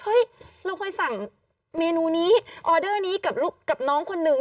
เราเคยสั่งเมนูนี้ออเดอร์นี้กับน้องคนนึง